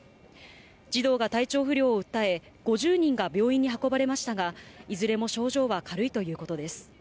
児童が体調不良を訴え、５０人が病院に運ばれましたが、いずれも症状は軽いということです。